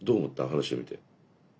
話してみて。